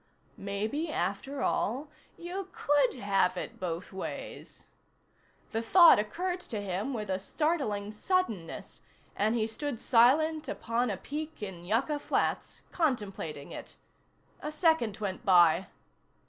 Maybe, after all, you could have it both ways. The thought occurred to him with a startling suddenness and he stood silent upon a peak in Yucca Flats, contemplating it. A second went by.